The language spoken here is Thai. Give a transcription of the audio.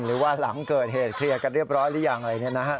หรือว่าหลังเกิดเหตุเคลียร์กันเรียบร้อยหรือยังอะไร